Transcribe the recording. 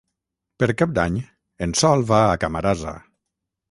Per Cap d'Any en Sol va a Camarasa.